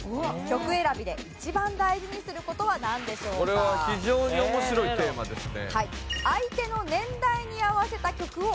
これは非常に面白いテーマですね。